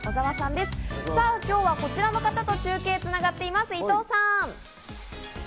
さぁ、今日はこちらの方と中継が繋がっています、伊藤さん。